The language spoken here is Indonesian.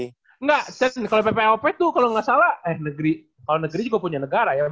enggak saya kalau ppop itu kalau nggak salah eh negeri kalau negeri juga punya negara ya